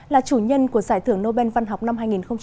là chủ nhân của giải thưởng nobel văn học năm hai nghìn hai mươi